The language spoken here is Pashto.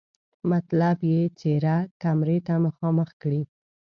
مطلب یې څېره کمرې ته مخامخ کړي.